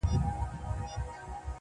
ما درته ویل چي په اغیار اعتبار مه کوه.!